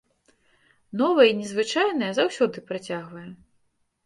Новае і незвычайнае заўсёды прыцягвае.